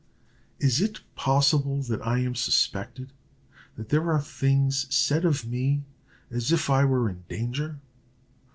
"Is it possible that I am suspected that there are things said of me as if I were in danger?"